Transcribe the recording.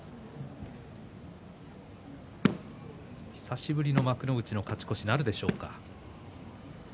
久しぶりの幕内の勝ち越しなるでしょうか。